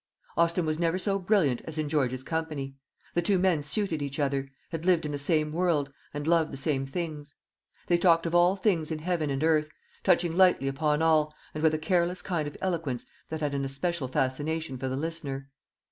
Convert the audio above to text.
Austin was never so brilliant as in George's company; the two men suited each other, had lived in the same world, and loved the same things. They talked of all things in heaven and earth, touching lightly upon all, and with a careless kind of eloquence that had an especial fascination for the listener.